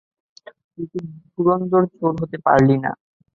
তুই তো ধুরন্ধর চোর হতে পারলি না।